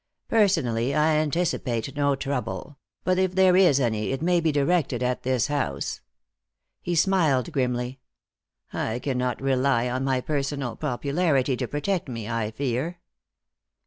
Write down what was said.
Personally I anticipate no trouble, but if there is any it may be directed at this house." He smiled grimly. "I cannot rely on my personal popularity to protect me, I fear.